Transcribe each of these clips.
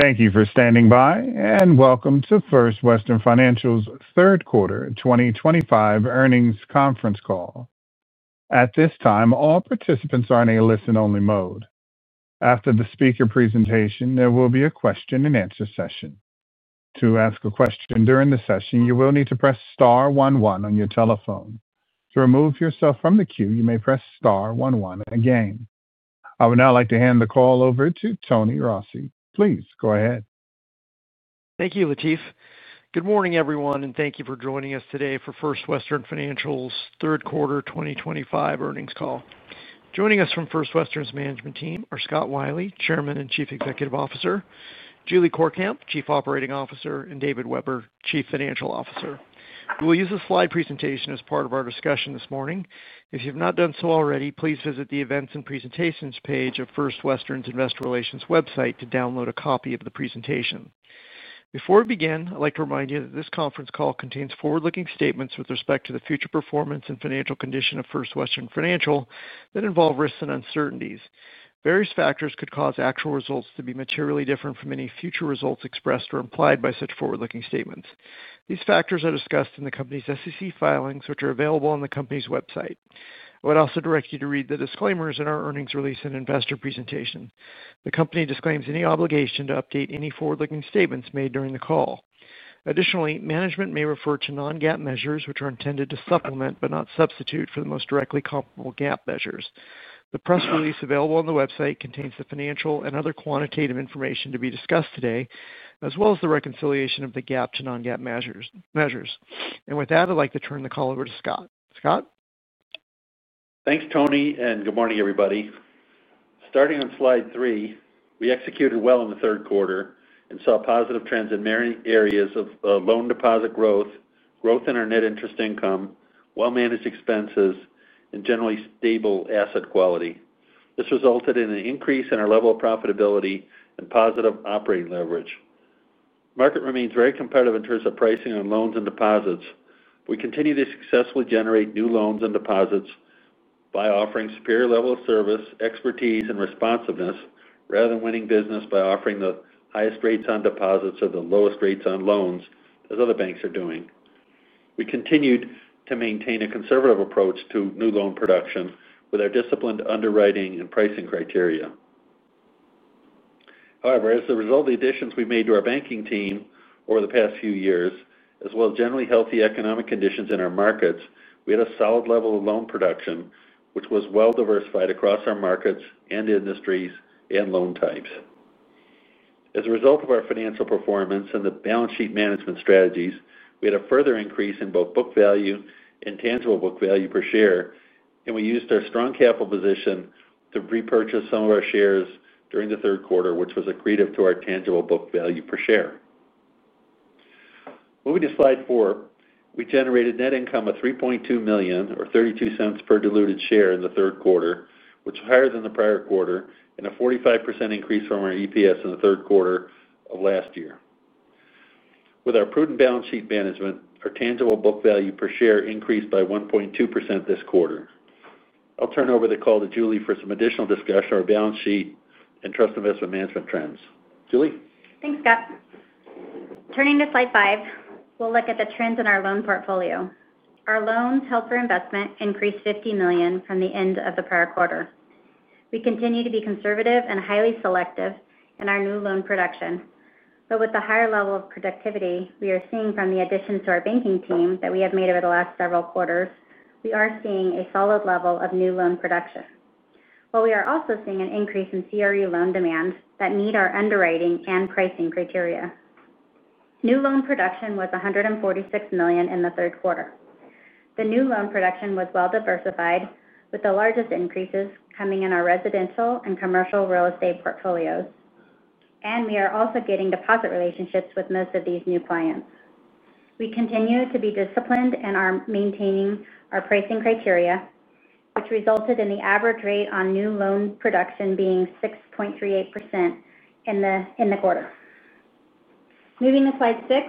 Thank you for standing by and welcome to First Western Financial's third quarter 2025 earnings conference call. At this time, all participants are in a listen-only mode. After the speaker presentation, there will be a question-and-answer session. To ask a question during the session, you will need to press star one one on your telephone. To remove yourself from the queue, you may press star one one again. I would now like to hand the call over to Tony Rossi. Please go ahead. Thank you, Latif. Good morning, everyone, and thank you for joining us today for First Western Financial's third quarter 2025 earnings call. Joining us from First Western's management team are Scott Wylie, Chairman and Chief Executive Officer, Julie Courkamp, Chief Operating Officer, and David Weber, Chief Financial Officer. We will use a slide presentation as part of our discussion this morning. If you have not done so already, please visit the Events and Presentations page of First Western's Investor Relations website to download a copy of the presentation. Before we begin, I'd like to remind you that this conference call contains forward-looking statements with respect to the future performance and financial condition of First Western Financial that involve risks and uncertainties. Various factors could cause actual results to be materially different from any future results expressed or implied by such forward-looking statements. These factors are discussed in the company's SEC filings, which are available on the company's website. I would also direct you to read the disclaimers in our earnings release and investor presentation. The company disclaims any obligation to update any forward-looking statements made during the call. Additionally, management may refer to non-GAAP measures, which are intended to supplement but not substitute for the most directly comparable GAAP measures. The press release available on the website contains the financial and other quantitative information to be discussed today, as well as the reconciliation of the GAAP to non-GAAP measures. With that, I'd like to turn the call over to Scott. Scott? Thanks, Tony, and good morning, everybody. Starting on slide three, we executed well in the third quarter and saw positive trends in many areas of loan deposit growth, growth in our net interest income, well-managed expenses, and generally stable asset quality. This resulted in an increase in our level of profitability and positive operating leverage. The market remains very competitive in terms of pricing on loans and deposits. We continue to successfully generate new loans and deposits by offering a superior level of service, expertise, and responsiveness, rather than winning business by offering the highest rates on deposits or the lowest rates on loans, as other banks are doing. We continued to maintain a conservative approach to new loan production with our disciplined underwriting and pricing criteria. However, as a result of the additions we made to our banking team over the past few years, as well as generally healthy economic conditions in our markets, we had a solid level of loan production, which was well-diversified across our markets and industries and loan types. As a result of our financial performance and the balance sheet management strategies, we had a further increase in both book value and tangible book value per share, and we used our strong capital position to repurchase some of our shares during the third quarter, which was accretive to our tangible book value per share. Moving to slide four, we generated net income of $3.2 million or $0.32 per diluted share in the third quarter, which was higher than the prior quarter, and a 45% increase from our EPS in the third quarter of last year. With our prudent balance sheet management, our tangible book value per share increased by 1.2% this quarter. I'll turn over the call to Julie for some additional discussion on our balance sheet and trust investment management trends. Julie? Thanks, Scott. Turning to slide five, we'll look at the trends in our loan portfolio. Our loans held for investment increased $50 million from the end of the prior quarter. We continue to be conservative and highly selective in our new loan production. With the higher level of productivity we are seeing from the additions to our banking team that we have made over the last several quarters, we are seeing a solid level of new loan production. We are also seeing an increase in C&I loan demand that meet our underwriting and pricing criteria. New loan production was $146 million in the third quarter. The new loan production was well-diversified, with the largest increases coming in our residential and commercial real estate portfolios. We are also getting deposit relationships with most of these new clients. We continue to be disciplined in maintaining our pricing criteria, which resulted in the average rate on new loan production being 6.38% in the quarter. Moving to slide six,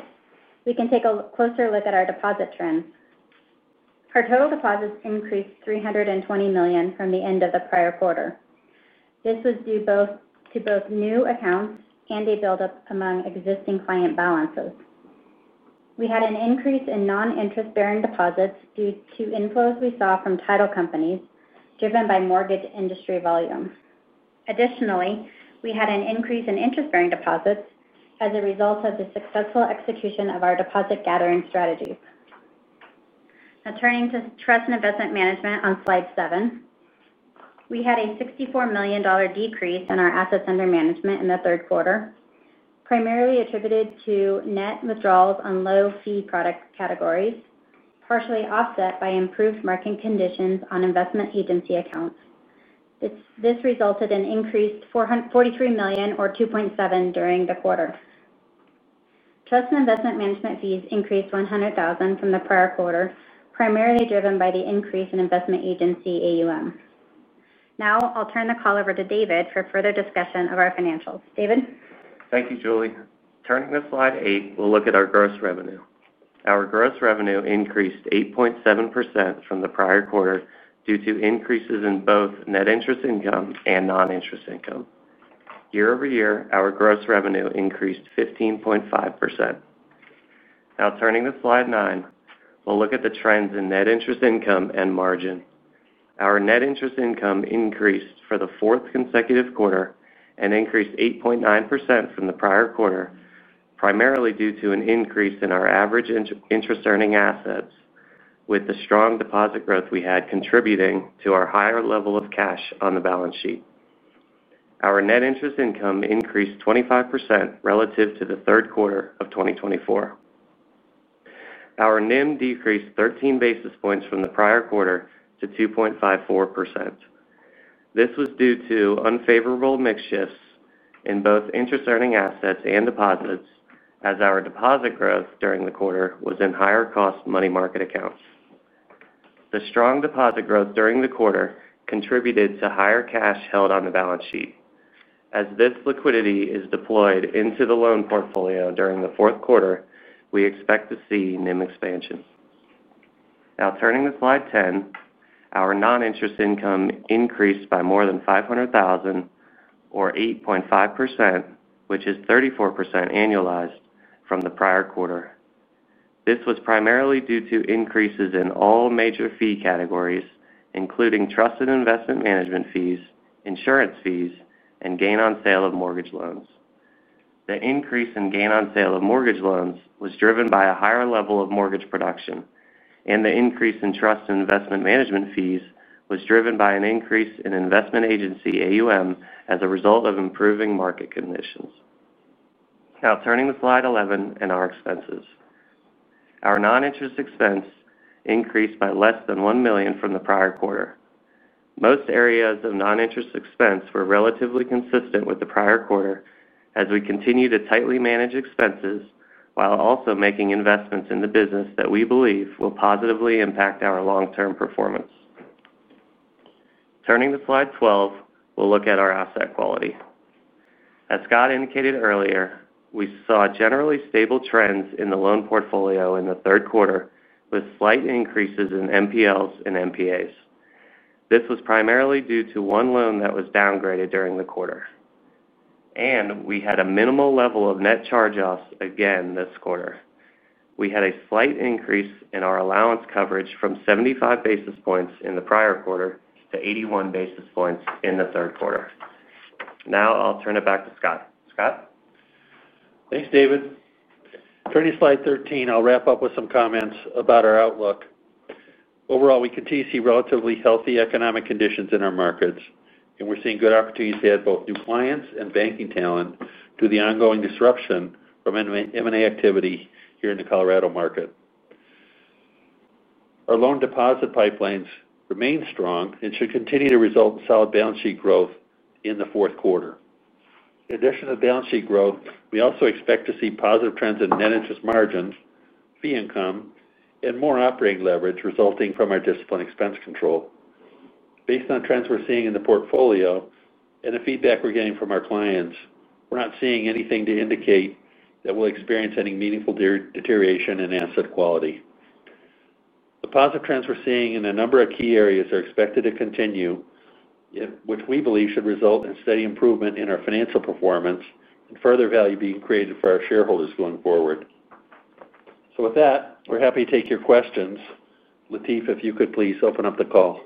we can take a closer look at our deposit trends. Our total deposits increased $320 million from the end of the prior quarter. This was due to both new accounts and a buildup among existing client balances. We had an increase in non-interest bearing deposits due to inflows we saw from title companies driven by mortgage industry volume. Additionally, we had an increase in interest-bearing deposits as a result of the successful execution of our deposit-gathering strategies. Now, turning to trust and investment management on slide seven, we had a $64 million decrease in our assets under management in the third quarter, primarily attributed to net withdrawals on low-fee product categories, partially offset by improved market conditions on investment agency accounts. This resulted in an increase of $43 million or 2.7% during the quarter. Trust and investment management fees increased $100,000 from the prior quarter, primarily driven by the increase in investment agency AUM. Now, I'll turn the call over to David for further discussion of our financials. David? Thank you, Julie. Turning to slide eight, we'll look at our gross revenue. Our gross revenue increased 8.7% from the prior quarter due to increases in both net interest income and non-interest income. Year-over-year, our gross revenue increased 15.5%. Now, turning to slide nine, we'll look at the trends in net interest income and margin. Our net interest income increased for the fourth consecutive quarter and increased 8.9% from the prior quarter, primarily due to an increase in our average interest-earning assets, with the strong deposit growth we had contributing to our higher level of cash on the balance sheet. Our net interest income increased 25% relative to the third quarter of 2024. Our NIM decreased 13 basis points from the prior quarter to 2.54%. This was due to unfavorable mix shifts in both interest-earning assets and deposits, as our deposit growth during the quarter was in higher-cost money market accounts. The strong deposit growth during the quarter contributed to higher cash held on the balance sheet. As this liquidity is deployed into the loan portfolio during the fourth quarter, we expect to see NIM expansion. Now, turning to slide 10, our non-interest income increased by more than $500,000 or 8.5%, which is 34% annualized from the prior quarter. This was primarily due to increases in all major fee categories, including trust and investment management fees, insurance fees, and gain on sale of mortgage loans. The increase in gain on sale of mortgage loans was driven by a higher level of mortgage production, and the increase in trust and investment management fees was driven by an increase in investment agency AUM as a result of improving market conditions. Now, turning to slide 11 and our expenses. Our non-interest expense increased by less than $1 million from the prior quarter. Most areas of non-interest expense were relatively consistent with the prior quarter, as we continue to tightly manage expenses while also making investments in the business that we believe will positively impact our long-term performance. Turning to slide 12, we'll look at our asset quality. As Scott indicated earlier, we saw generally stable trends in the loan portfolio in the third quarter, with slight increases in NPLs and NPAs. This was primarily due to one loan that was downgraded during the quarter. We had a minimal level of net charge-offs again this quarter. We had a slight increase in our allowance coverage from 75 basis points in the prior quarter to 81 basis points in the third quarter. Now, I'll turn it back to Scott. Scott? Thanks, David. Turning to slide 13, I'll wrap up with some comments about our outlook. Overall, we continue to see relatively healthy economic conditions in our markets, and we're seeing good opportunities to add both new clients and banking talent through the ongoing disruption from M&A activity here in the Colorado market. Our loan deposit pipelines remain strong and should continue to result in solid balance sheet growth in the fourth quarter. In addition to balance sheet growth, we also expect to see positive trends in net interest margin, fee income, and more operating leverage resulting from our disciplined expense control. Based on trends we're seeing in the portfolio and the feedback we're getting from our clients, we're not seeing anything to indicate that we'll experience any meaningful deterioration in asset quality. The positive trends we're seeing in a number of key areas are expected to continue, which we believe should result in steady improvement in our financial performance and further value being created for our shareholders going forward. We're happy to take your questions. Latif, if you could please open up the call.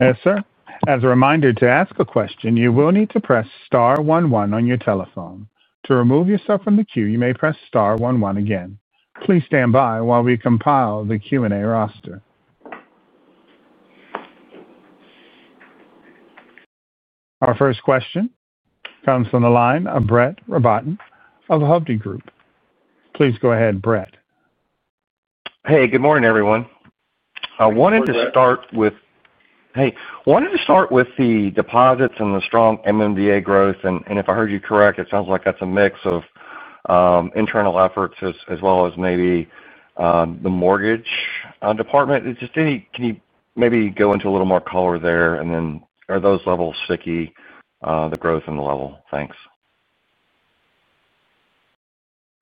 Yes, sir. As a reminder, to ask a question, you will need to press star one one on your telephone. To remove yourself from the queue, you may press star one one again. Please stand by while we compile the Q&A roster. Our first question comes from the line of Brett Rabatin of the Hovde Group. Please go ahead, Brett. Hey, good morning, everyone. I wanted to start with the deposits and the strong MMDA growth. If I heard you correctly, it sounds like that's a mix of internal efforts as well as maybe the mortgage department. Can you maybe go into a little more color there? Are those levels sticky, the growth and the level? Thanks.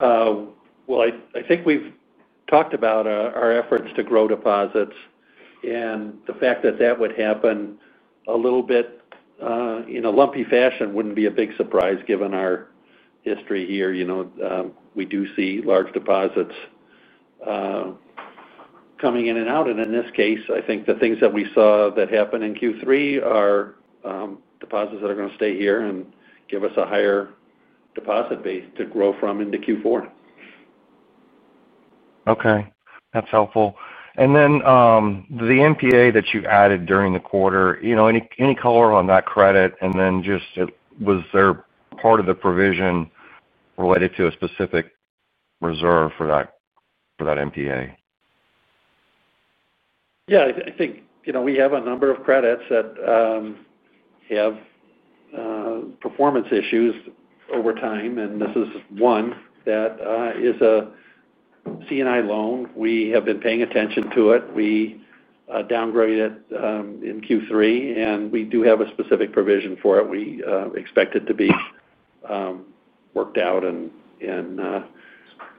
I think we've talked about our efforts to grow deposits, and the fact that that would happen a little bit, in a lumpy fashion wouldn't be a big surprise given our history here. You know, we do see large deposits coming in and out, and in this case, I think the things that we saw that happened in Q3 are deposits that are going to stay here and give us a higher deposit base to grow from into Q4. Okay. That's helpful. The NPA that you added during the quarter, any color on that credit? Was there part of the provision related to a specific reserve for that NPA? Yeah, I think we have a number of credits that have performance issues over time, and this is one that is a C&I loan. We have been paying attention to it. We downgraded it in Q3, and we do have a specific provision for it. We expect it to be worked out and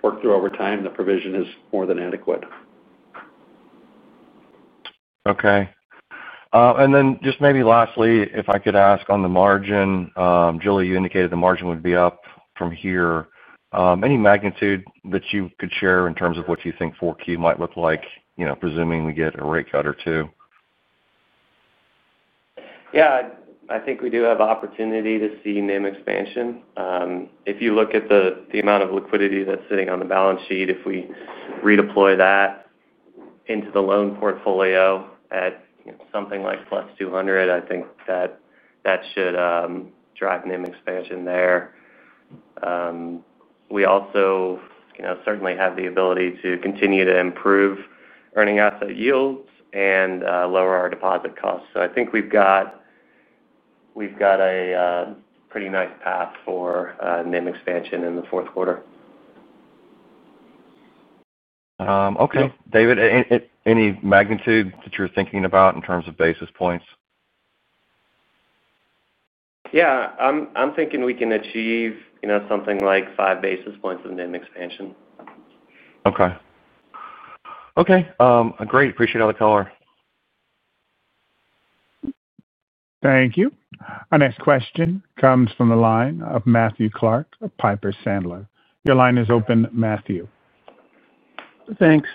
worked through over time. The provision is more than adequate. Okay, and then just maybe lastly, if I could ask on the margin, Julie, you indicated the margin would be up from here. Any magnitude that you could share in terms of what you think 4Q might look like, you know, presuming we get a rate cut or two? Yeah, I think we do have an opportunity to see NIM expansion. If you look at the amount of liquidity that's sitting on the balance sheet, if we redeploy that into the loan portfolio at, you know, something like plus 200, I think that should drive NIM expansion there. We also certainly have the ability to continue to improve earning asset yields and lower our deposit costs. I think we've got a pretty nice path for NIM expansion in the fourth quarter. Okay. David, any magnitude that you're thinking about in terms of basis points? Yeah, I'm thinking we can achieve, you know, something like five basis points of NIM expansion. Okay, great. Appreciate all the color. Thank you. Our next question comes from the line of Matthew Clark of Piper Sandler. Your line is open, Matthew. Thanks.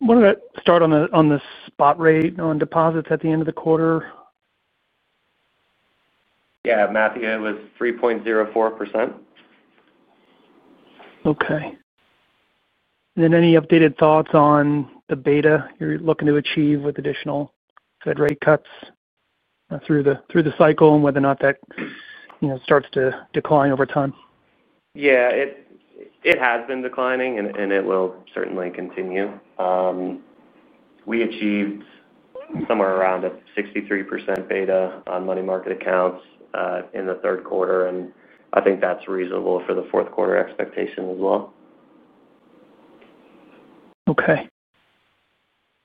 Wanted to start on the spot rate on deposits at the end of the quarter. Yeah, Matthew, it was 3.04%. Okay. Any updated thoughts on the beta you're looking to achieve with additional Fed rate cuts through the cycle, and whether or not that starts to decline over time? Yeah, it has been declining, and it will certainly continue. We achieved somewhere around a 63% beta on money market accounts in the third quarter, and I think that's reasonable for the fourth quarter expectation as well. Okay.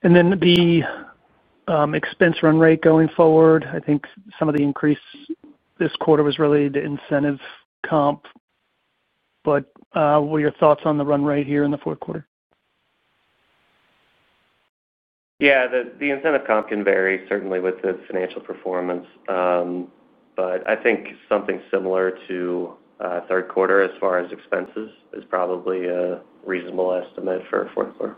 The expense run rate going forward, I think some of the increase this quarter was related to incentive comp. What are your thoughts on the run rate here in the fourth quarter? Yeah, the incentive comp can vary certainly with the financial performance. I think something similar to third quarter as far as expenses is probably a reasonable estimate for fourth quarter.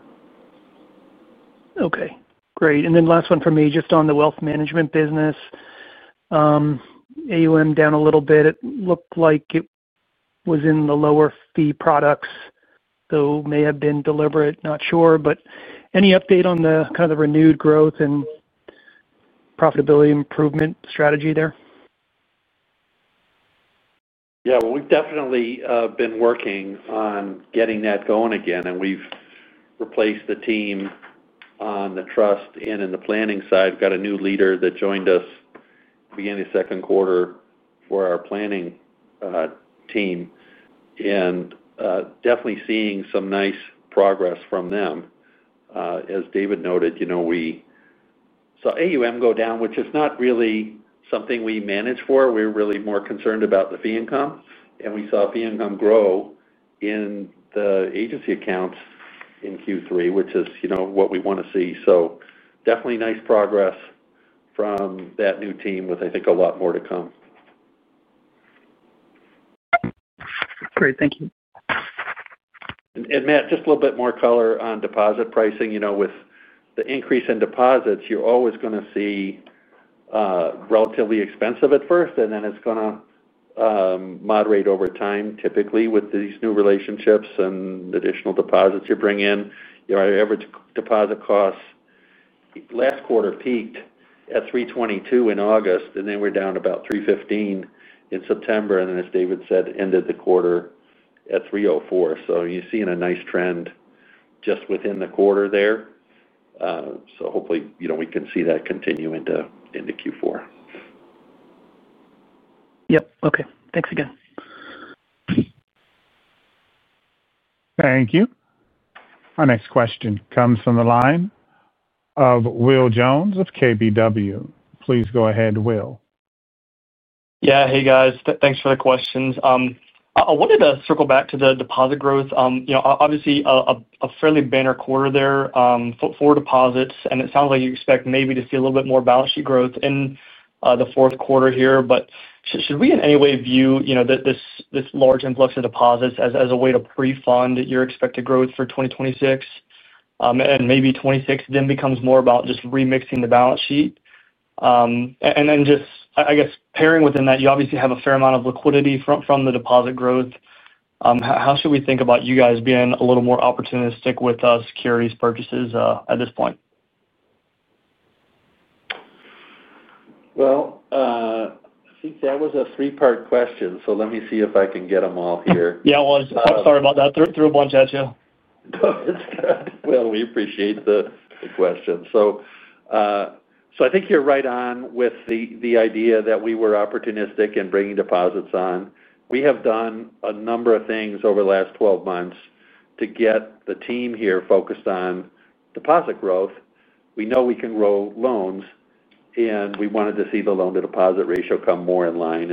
Okay. Great. Last one from me just on the wealth management business. AUM down a little bit. It looked like it was in the lower fee products, though may have been deliberate, not sure. Any update on the kind of the renewed growth and profitability improvement strategy there? Yeah, we've definitely been working on getting that going again, and we've replaced the team on the trust end and the planning side. We've got a new leader that joined us beginning the second quarter for our planning team, and definitely seeing some nice progress from them. As David noted, you know, we saw AUM go down, which is not really something we manage for. We're really more concerned about the fee income. We saw fee income grow in the agency accounts in Q3, which is, you know, what we want to see. Definitely nice progress from that new team with, I think, a lot more to come. Great. Thank you. Matt, just a little bit more color on deposit pricing. You know, with the increase in deposits, you're always going to see relatively expensive at first, and then it's going to moderate over time. Typically, with these new relationships and additional deposits you bring in, our average deposit cost last quarter peaked at 3.22% in August, and then we're down to about 3.15% in September. As David said, end of the quarter at 3.04%. You're seeing a nice trend just within the quarter there. Hopefully, you know, we can see that continue into Q4. Yep. Okay. Thanks again. Thank you. Our next question comes from the line of Will Jones of KBW. Please go ahead, Will. Yeah, hey guys. Thanks for the questions. I wanted to circle back to the deposit growth. You know, obviously, a fairly banner quarter there for deposits, and it sounds like you expect maybe to see a little bit more balance sheet growth in the fourth quarter here. Should we in any way view this large influx of deposits as a way to pre-fund your expected growth for 2026? Maybe 2026 then becomes more about just remixing the balance sheet. I guess, pairing within that, you obviously have a fair amount of liquidity from the deposit growth. How should we think about you guys being a little more opportunistic with securities purchases at this point? I think that was a three-part question. Let me see if I can get them all here. I'm sorry about that. I threw a bunch at you. It's good. We appreciate the question. I think you're right on with the idea that we were opportunistic in bringing deposits on. We have done a number of things over the last 12 months to get the team here focused on deposit growth. We know we can grow loans, and we wanted to see the loan-to-deposit ratio come more in line.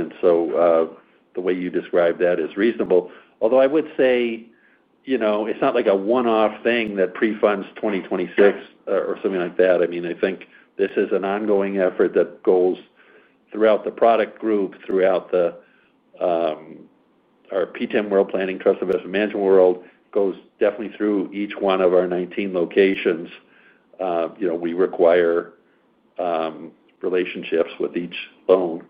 The way you described that is reasonable. Although I would say it's not like a one-off thing that pre-funds 2026 or something like that. I think this is an ongoing effort that goes throughout the product group, throughout our PTIM World Planning, Trust Investment Management World, and definitely through each one of our 19 locations. We require relationships with each loan,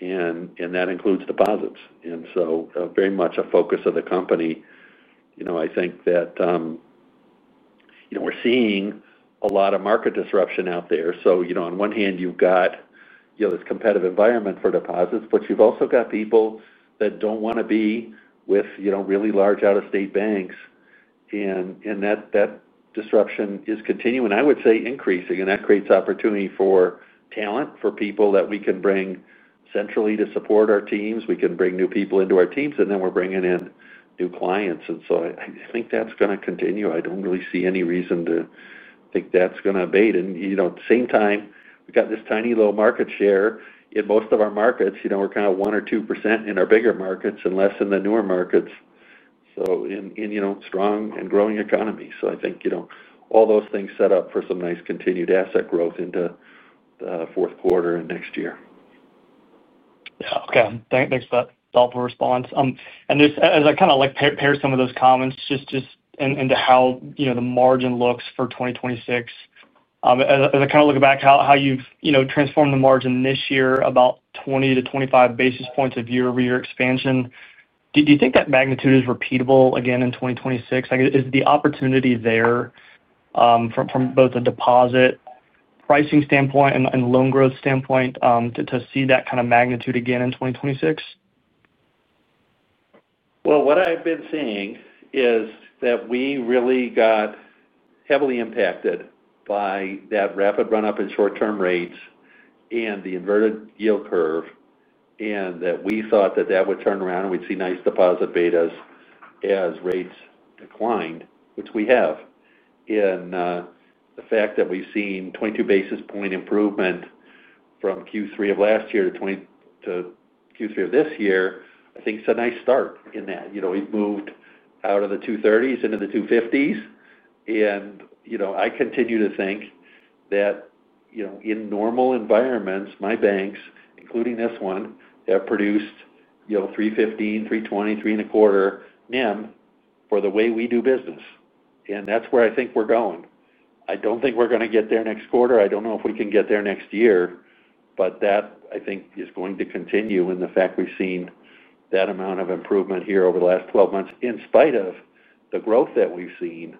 and that includes deposits. It's very much a focus of the company. I think that we're seeing a lot of market disruption out there. On one hand, you've got this competitive environment for deposits, but you've also got people that don't want to be with really large out-of-state banks. That disruption is continuing, I would say, increasing. That creates opportunity for talent, for people that we can bring centrally to support our teams. We can bring new people into our teams, and then we're bringing in new clients. I think that's going to continue. I don't really see any reason to think that's going to abate. At the same time, we've got this tiny low market share in most of our markets. We're kind of 1%-2% in our bigger markets and less in the newer markets, in strong and growing economies. I think all those things set up for some nice continued asset growth into the fourth quarter and next year. Okay, thanks for that thoughtful response. As I kind of pair some of those comments just into how, you know, the margin looks for 2026, as I kind of look back how you've, you know, transformed the margin this year, about 20 to 25 basis points of year-over-year expansion. Do you think that magnitude is repeatable again in 2026? Is the opportunity there, from both a deposit pricing standpoint and loan growth standpoint, to see that kind of magnitude again in 2026? I've been seeing that we really got heavily impacted by that rapid run-up in short-term rates and the inverted yield curve, and that we thought that would turn around and we'd see nice deposit betas as rates declined, which we have. The fact that we've seen 22 basis point improvement from Q3 of last year to Q3 of this year, I think it's a nice start in that. We've moved out of the 230s into the 250s. I continue to think that, in normal environments, my banks, including this one, have produced 315, 320, 3.25 NIM for the way we do business. That's where I think we're going. I don't think we're going to get there next quarter. I don't know if we can get there next year, but that, I think, is going to continue. The fact we've seen that amount of improvement here over the last 12 months, in spite of the growth that we've seen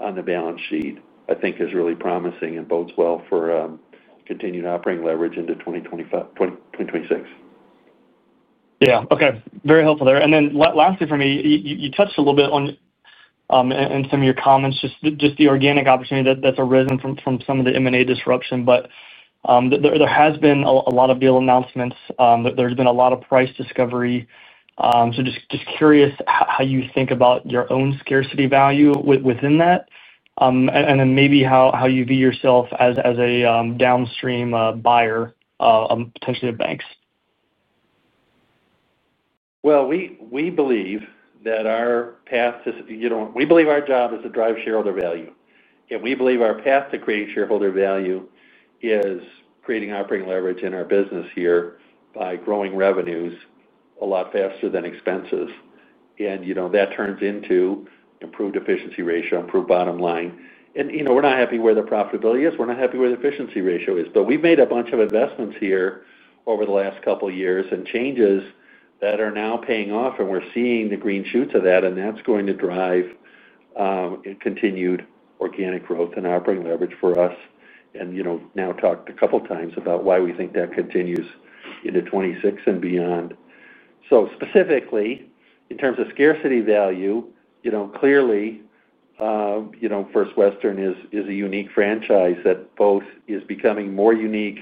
on the balance sheet, I think is really promising and bodes well for continued operating leverage into 2026. Yeah, okay. Very helpful there. Lastly for me, you touched a little bit on, in some of your comments, just the organic opportunity that's arisen from some of the M&A disruption. There has been a lot of deal announcements. There's been a lot of price discovery. Just curious how you think about your own scarcity value within that, and then maybe how you view yourself as a downstream buyer potentially of banks. We believe that our path to, you know, we believe our job is to drive shareholder value. We believe our path to creating shareholder value is creating operating leverage in our business here by growing revenues a lot faster than expenses. That turns into improved efficiency ratio, improved bottom line. We're not happy where the profitability is. We're not happy where the efficiency ratio is. We've made a bunch of investments here over the last couple of years and changes that are now paying off. We're seeing the green shoots of that. That's going to drive continued organic growth and operating leverage for us. We've now talked a couple of times about why we think that continues into 2026 and beyond. Specifically, in terms of scarcity value, clearly, you know, First Western Financial is a unique franchise that both is becoming more unique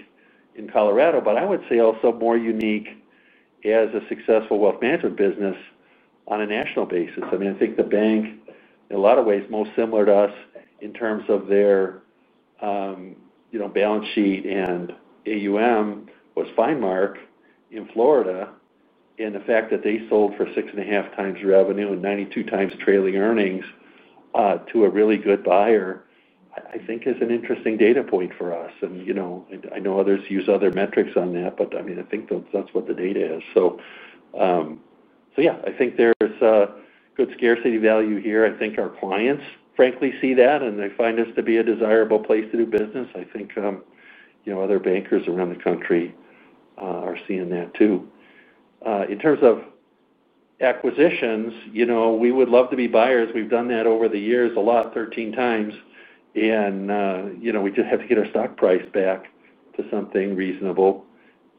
in Colorado, but I would say also more unique as a successful wealth management business on a national basis. I mean, I think the bank, in a lot of ways, most similar to us in terms of their, you know, balance sheet and assets under management was Findmark in Florida. The fact that they sold for six and a half times revenue and 92 times trailing earnings to a really good buyer, I think is an interesting data point for us. I know others use other metrics on that, but I mean, I think that's what the data is. I think there's a good scarcity value here. I think our clients, frankly, see that and they find us to be a desirable place to do business. I think other bankers around the country are seeing that too. In terms of acquisitions, we would love to be buyers. We've done that over the years a lot, 13 times. We just have to get our stock price back to something reasonable.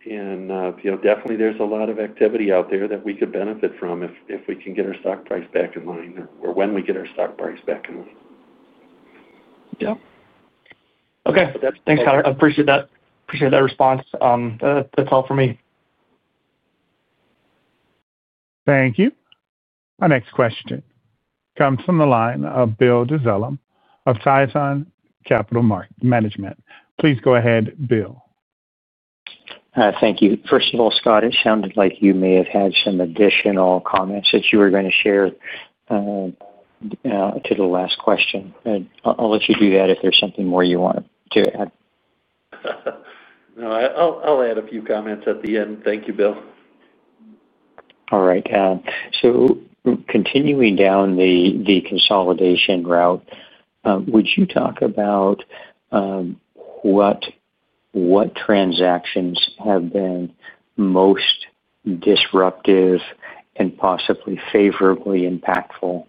Definitely, there's a lot of activity out there that we could benefit from if we can get our stock price back in line or when we get our stock price back in line. Okay. Thanks for the color. I appreciate that. Appreciate that response. That's all for me. Thank you. Our next question comes from the line of Bill Dezellem of Tieton Capital Management. Please go ahead, Bill. Thank you. First of all, Scott, it sounded like you may have had some additional comments that you were going to share to the last question. I'll let you do that if there's something more you want to add. No, I'll add a few comments at the end. Thank you, Bill. All right. Continuing down the consolidation route, would you talk about what transactions have been most disruptive and possibly favorably impactful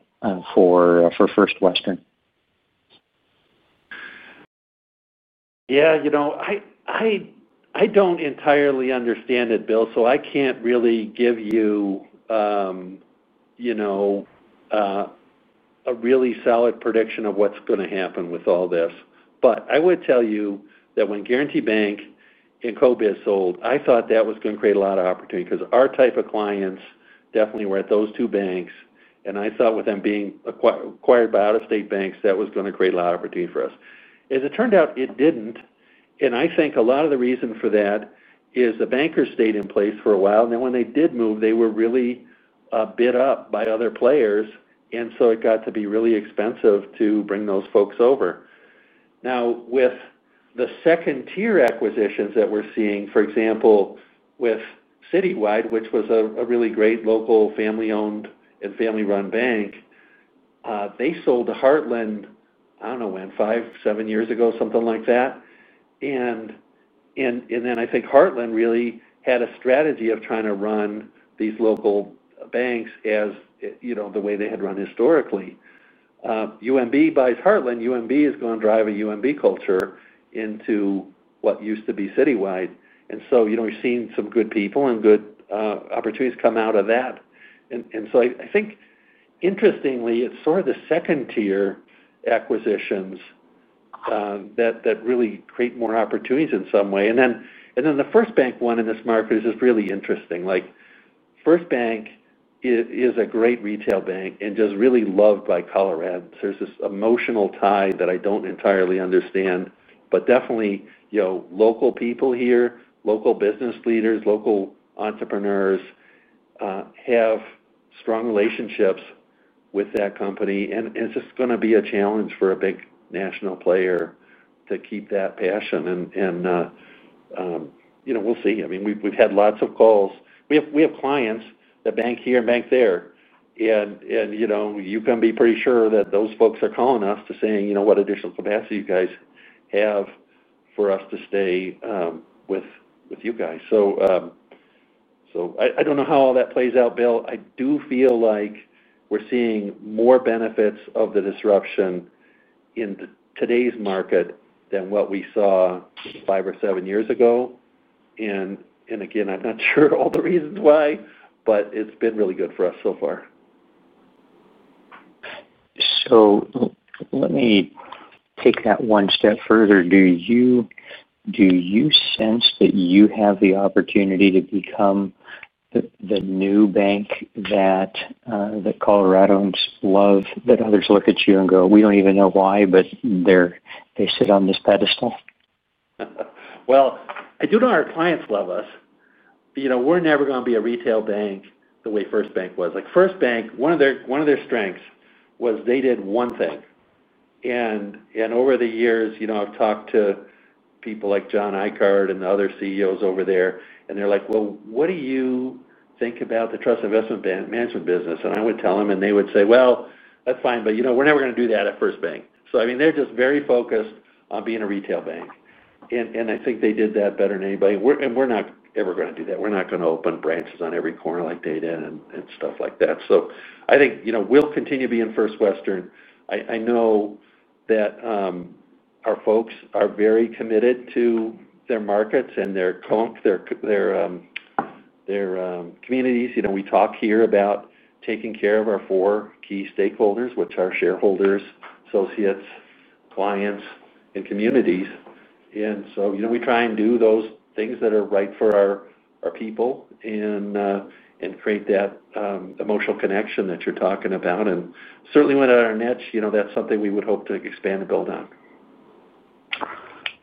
for First Western? Yeah, you know, I don't entirely understand it, Bill, so I can't really give you a really solid prediction of what's going to happen with all this. I would tell you that when Guaranty Bank and CoBiz sold, I thought that was going to create a lot of opportunity because our type of clients definitely were at those two banks. I thought with them being acquired by out-of-state banks, that was going to create a lot of opportunity for us. As it turned out, it didn't. I think a lot of the reason for that is the bankers stayed in place for a while. When they did move, they were really bid up by other players, and it got to be really expensive to bring those folks over. Now, with the second-tier acquisitions that we're seeing, for example, with Citywide, which was a really great local family-owned and family-run bank, they sold to Heartland, I don't know when, five, seven years ago, something like that. I think Heartland really had a strategy of trying to run these local banks as the way they had run historically. UMB buys Heartland. UMB is going to drive a UMB culture into what used to be Citywide. We've seen some good people and good opportunities come out of that. I think interestingly, it's sort of the second-tier acquisitions that really create more opportunities in some way. The First Bank one in this market is just really interesting. First Bank is a great retail bank and just really loved by Coloradans. There's this emotional tie that I don't entirely understand. Local people here, local business leaders, local entrepreneurs, have strong relationships with that company. It's just going to be a challenge for a big national player to keep that passion. We'll see. We've had lots of calls. We have clients that bank here and bank there, and you can be pretty sure that those folks are calling us to say, you know, what additional capacity you guys have for us to stay with you guys. I don't know how all that plays out, Bill. I do feel like we're seeing more benefits of the disruption in today's market than what we saw five or seven years ago. Again, I'm not sure all the reasons why, but it's been really good for us so far. Let me take that one step further. Do you sense that you have the opportunity to become the new bank that Coloradans love? That others look at you and go, "We don't even know why, but they sit on this pedestal"? I do know our clients love us. We're never going to be a retail bank the way First Bank was. Like First Bank, one of their strengths was they did one thing. Over the years, I've talked to people like John Eikard and the other CEOs over there, and they're like, "What do you think about the trust investment management business?" I would tell them, and they would say, "That's fine, but we're never going to do that at First Bank." They are just very focused on being a retail bank. I think they did that better than anybody. We're not ever going to do that. We're not going to open branches on every corner like they did and stuff like that. I think we'll continue to be in First Western. I know that our folks are very committed to their markets and their communities. We talk here about taking care of our four key stakeholders, which are shareholders, associates, clients, and communities. We try and do those things that are right for our people and create that emotional connection that you're talking about. Certainly within our niche, that's something we would hope to expand and build on.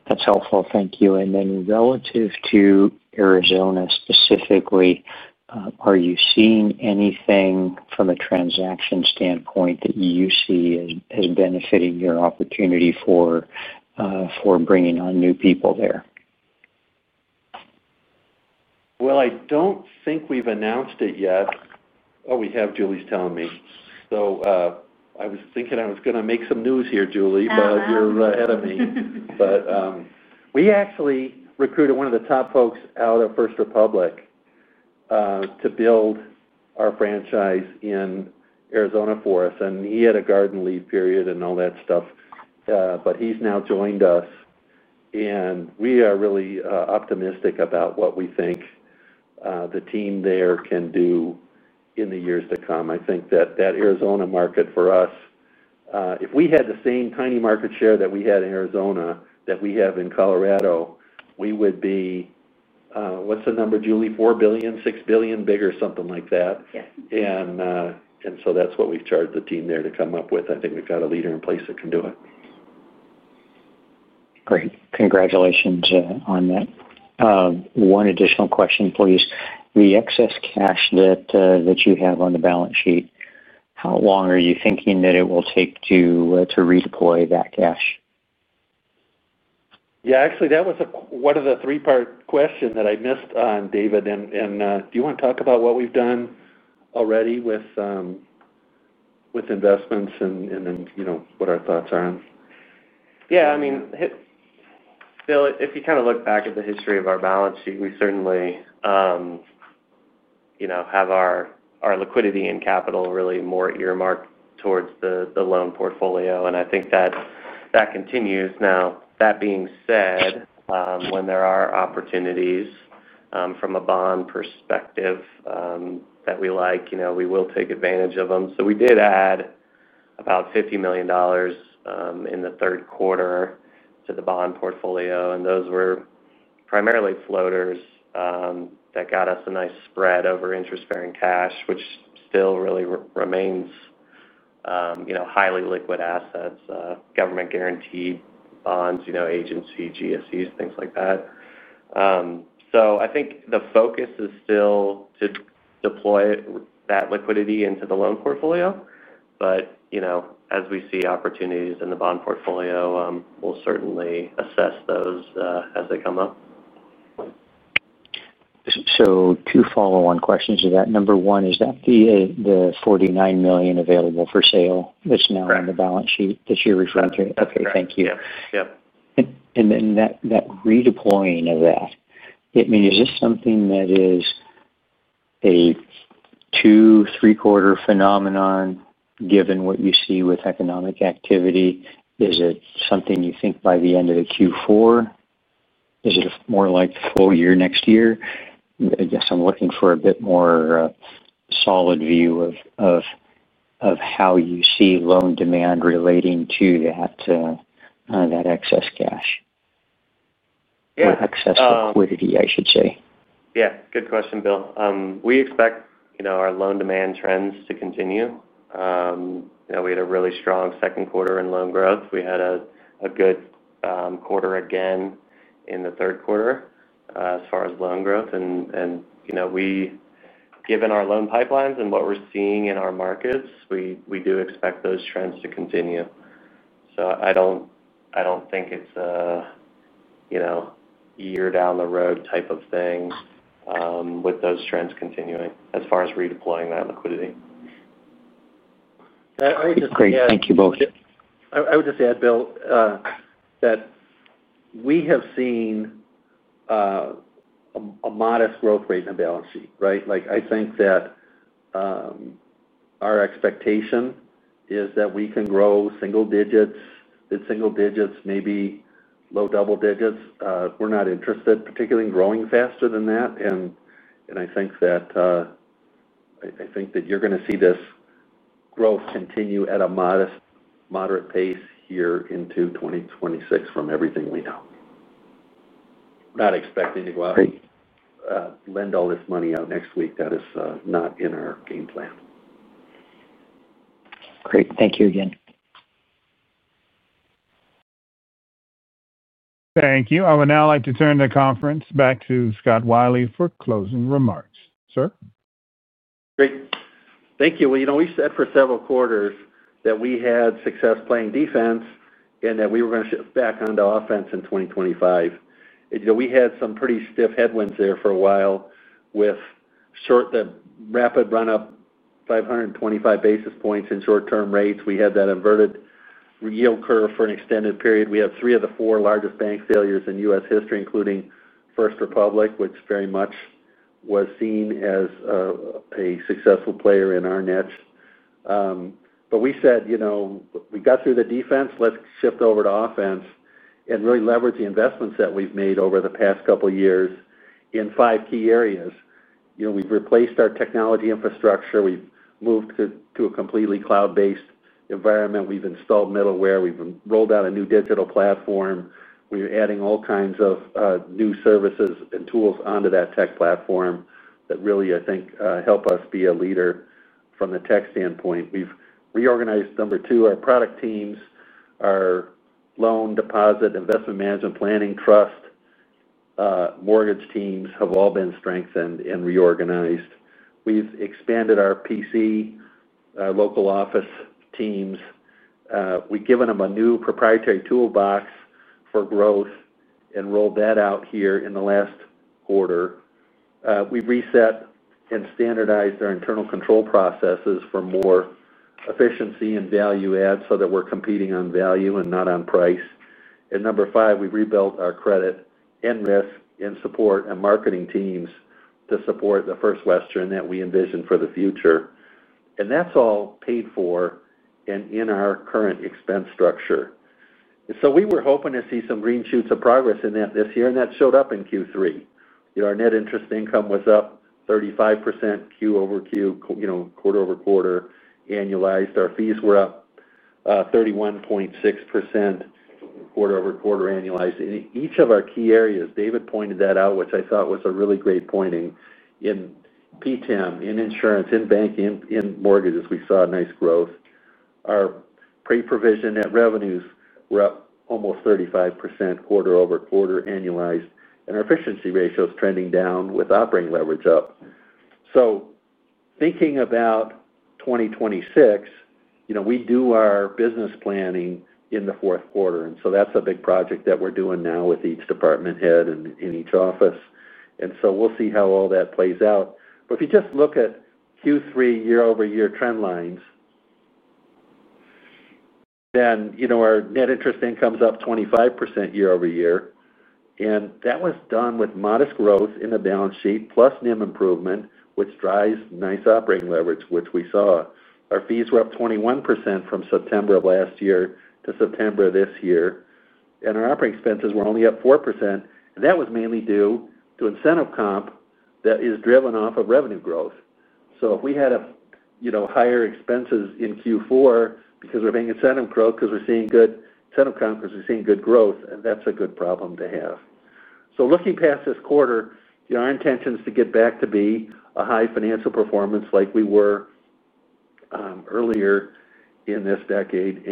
That's helpful. Thank you. Relative to Arizona specifically, are you seeing anything from a transaction standpoint that you see as benefiting your opportunity for bringing on new people there? I don't think we've announced it yet. Oh, we have, Julie's telling me. I was thinking I was going to make some news here, Julie, but you're ahead of me. We actually recruited one of the top folks out of First Republic to build our franchise in Arizona for us. He had a garden leave period and all that stuff, but he's now joined us. We are really optimistic about what we think the team there can do in the years to come. I think that Arizona market for us, if we had the same tiny market share that we had in Arizona that we have in Colorado, we would be, what's the number, Julie? $4 billion, $6 billion bigger, something like that. That's what we've charged the team there to come up with. I think we've got a leader in place that can do it. Great. Congratulations on that. One additional question, please. The excess cash that you have on the balance sheet, how long are you thinking that it will take to redeploy that cash? Yeah, actually, that was one of the three-part questions that I missed on, David. Do you want to talk about what we've done already with investments and then, you know, what our thoughts are on? Yeah, I mean, Bill, if you kind of look back at the history of our balance sheet, we certainly have our liquidity and capital really more earmarked towards the loan portfolio. I think that that continues. That being said, when there are opportunities from a bond perspective that we like, we will take advantage of them. We did add about $50 million in the third quarter to the bond portfolio, and those were primarily floaters that got us a nice spread over interest-bearing cash, which still really remains highly liquid assets, government-guaranteed bonds, agency, GSEs, things like that. I think the focus is still to deploy that liquidity into the loan portfolio. As we see opportunities in the bond portfolio, we'll certainly assess those as they come up. Two follow-on questions to that. Number one, is that the $49 million available for sale that's now on the balance sheet that you're referring to? Yep. Yep. Okay. Thank you. Is that redeploying of that, I mean, is this something that is a 2-3 quarter phenomenon given what you see with economic activity? Is it something you think by the end of Q4? Is it more like full year next year? I guess I'm looking for a bit more solid view of how you see loan demand relating to that excess cash, or excess liquidity, I should say. Yeah, good question, Bill. We expect, you know, our loan demand trends to continue. We had a really strong second quarter in loan growth. We had a good quarter again in the third quarter, as far as loan growth, and, you know, given our loan pipelines and what we're seeing in our markets, we do expect those trends to continue. I don't think it's a, you know, year down the road type of thing, with those trends continuing as far as redeploying that liquidity. I would just say. Great. Thank you both. I would just add, Bill, that we have seen a modest growth rate in the balance sheet, right? I think that our expectation is that we can grow single digits, mid-single digits, maybe low double digits. We're not interested particularly in growing faster than that. I think that you're going to see this growth continue at a modest moderate pace here into 2026 from everything we know. We're not expecting to go out, lend all this money out next week. That is not in our game plan. Great. Thank you again. Thank you. I would now like to turn the conference back to Scott Wylie for closing remarks. Sir. Great. Thank you. You know, we said for several quarters that we had success playing defense and that we were going to shift back onto offense in 2025. We had some pretty stiff headwinds there for a while with the rapid run-up, 525 basis points in short-term rates. We had that inverted yield curve for an extended period. We had three of the four largest bank failures in U.S. history, including First Republic, which very much was seen as a successful player in our niche. We said, you know, we got through the defense, let's shift over to offense and really leverage the investments that we've made over the past couple of years in five key areas. We've replaced our technology infrastructure. We've moved to a completely cloud-based environment. We've installed middleware. We've rolled out a new digital platform. We're adding all kinds of new services and tools onto that tech platform that really, I think, help us be a leader from the tech standpoint. We've reorganized, number two, our product teams. Our loan, deposit, investment management, planning, trust, mortgage teams have all been strengthened and reorganized. We've expanded our PC, our local office teams. We've given them a new proprietary toolbox for growth and rolled that out here in the last quarter. We've reset and standardized our internal control processes for more efficiency and value add so that we're competing on value and not on price. Number five, we've rebuilt our credit and risk and support and marketing teams to support the First Western Financial that we envision for the future. That's all paid for and in our current expense structure. We were hoping to see some green shoots of progress in that this year, and that showed up in Q3. Our net interest income was up 35% quarter-over-quarter, annualized. Our fees were up 31.6% quarter-over-quarter, annualized. In each of our key areas, David pointed that out, which I thought was a really great pointing in PTIM, in insurance, in banking, in mortgages, we saw a nice growth. Our pre-provision net revenues were up almost 35% quarter-over-quarter, annualized. Our efficiency ratio is trending down with operating leverage up. Thinking about 2026, we do our business planning in the fourth quarter. That's a big project that we're doing now with each department head and in each office. We'll see how all that plays out. If you just look at Q3 year-over-year trend lines, then you know our net interest income is up 25% year-over-year. That was done with modest growth in the balance sheet, plus NIM improvement, which drives nice operating leverage, which we saw. Our fees were up 21% from September of last year to September of this year. Our operating expenses were only up 4%, and that was mainly due to incentive comp that is driven off of revenue growth. If we had higher expenses in Q4 because we're paying incentive growth because we're seeing good incentive comp because we're seeing good growth, that's a good problem to have. Looking past this quarter, our intention is to get back to be a high financial performance like we were earlier in this decade.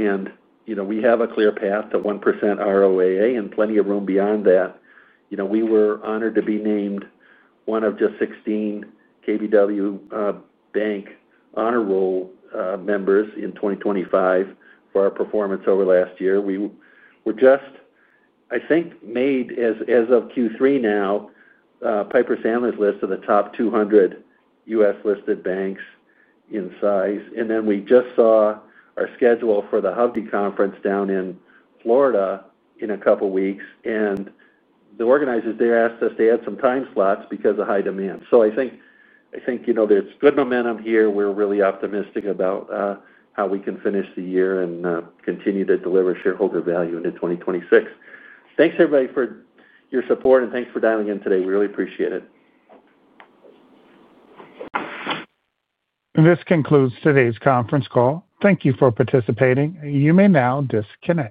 We have a clear path to 1% ROAA and plenty of room beyond that. We were honored to be named one of just 16 KBW Bank Honor Roll members in 2025 for our performance over last year. We were just, I think, made as of Q3 now, Piper Sandler’s list of the top 200 U.S.-listed banks in size. We just saw our schedule for the Hovde conference down in Florida in a couple of weeks, and the organizers there asked us to add some time slots because of high demand. I think there's good momentum here. We're really optimistic about how we can finish the year and continue to deliver shareholder value into 2026. Thanks, everybody, for your support, and thanks for dialing in today. We really appreciate it. This concludes today's conference call. Thank you for participating. You may now disconnect.